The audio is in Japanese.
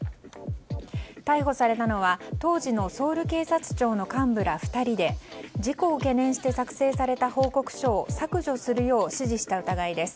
逮捕されたのは、当時のソウル警察庁の幹部ら２人で事故を懸念して作成された報告書を削除するよう指示した疑いです。